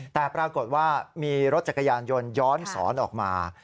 แต่ปรากฏว่ามีรถจักรยานยนต์ย้อนสอนออกมา